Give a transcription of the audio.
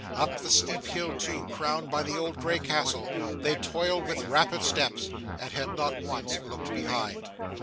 Up the steep hill too, crowned by the old grey castle, they toiled with rapid steps, and had not once looked behind.